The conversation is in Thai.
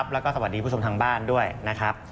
แล้วก็สวัสดีผู้ชมทางบ้านด้วยนะครับ